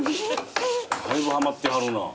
だいぶはまってはるな。